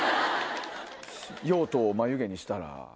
用途を眉毛にしたら。